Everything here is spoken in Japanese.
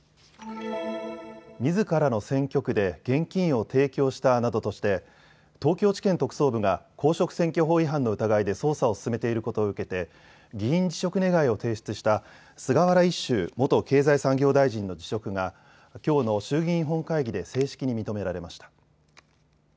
みずからの選挙区で現金を提供したなどとして東京地検特捜部が公職選挙法違反の疑いで捜査を進めていることを受けて議員辞職願を提出した菅原一秀元経済産業大臣の辞職がきょうの衆議院本会議で正式に認められました。